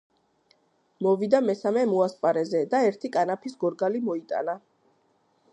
მოვიდა მესამე მოასპარეზე და ერთი კანაფის გორგალი მოიტანა.